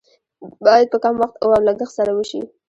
باید په کم وخت او لګښت سره وشي.